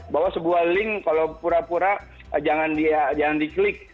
bahwa sebuah link kalau pura pura jangan di klik